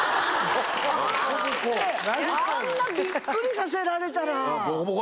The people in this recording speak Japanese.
だってあんなびっくりさせられたら！